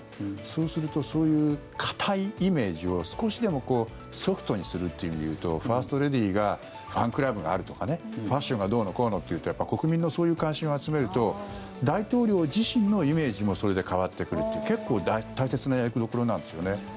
そうするとそういう堅いイメージを少しでもソフトにするという意味でいうとファーストレディーがファンクラブがあるとかファッションがどうのこうのっていうと国民のそういう関心を集めると大統領自身のイメージもそれで変わってくるという結構大切な役どころなんですね。